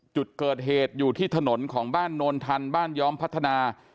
จุดเกิดเหตุอยู่ที่ถนนของบ้านโนนทันบ้านย้อมพัฒนา